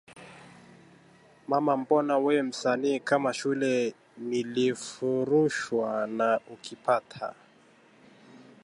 ”Mama mbona we msanii kama shule nilifurushwa na ukipata